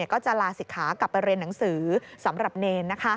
ก็จะลาศิกขากลับไปเรียนหนังสือสำหรับเนร